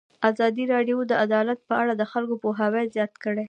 ازادي راډیو د عدالت په اړه د خلکو پوهاوی زیات کړی.